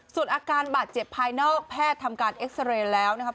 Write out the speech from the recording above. ส่วนอาการบาดเจ็บภายนอกแพทย์ทำการเอ็กซาเรย์แล้วนะครับ